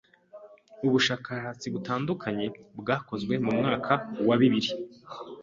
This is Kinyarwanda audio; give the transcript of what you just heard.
Ubushakashatsi butandukanye bwakozwe mu mwaka wa bibiri